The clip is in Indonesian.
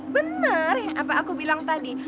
bener yang apa aku bilang tadi